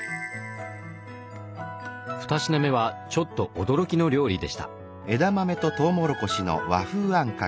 ２品目はちょっと驚きの料理でした。